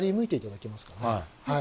はい。